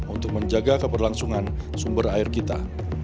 untuk menjaga keberlangsungan sumber air kita